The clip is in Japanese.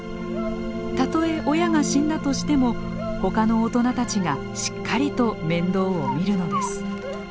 たとえ親が死んだとしてもほかの大人たちがしっかりと面倒を見るのです。